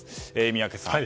宮家さん